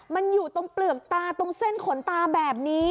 มันอยู่ตรงเปลือกตาตรงเส้นขนตาแบบนี้